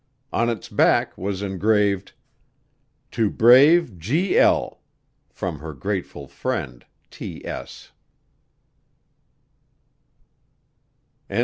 On its back was engraved, To brave G. L. From her grateful friend, T.